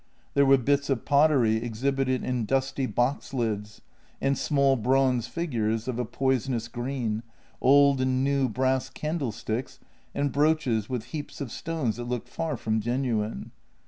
There were bits of pottery exhibited in dusty box lids and small bronze figures of a poisonous green, old and new brass candlesticks and brooches with heaps of stones that looked far from genuine.